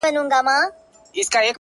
• نه یې بیرته سوای قفس پیدا کولای ,